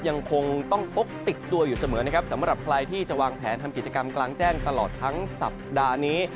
ยังคงต้องพกติดตัวอยู่เสมอนะครับสำหรับใครที่จะวางแผนทำกิจกรรมกลางแจ้งตลอดทั้งสัปดาห์นี้